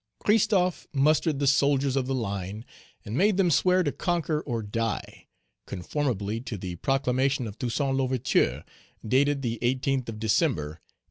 Christophe mustered the soldiers of the line and made them swear to conquer or die, conformably to the proclamation of Toussaint L'Ouverture, dated the 18th of December, 1801.